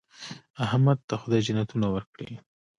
احمد ته خدای جنتونه ورکړي.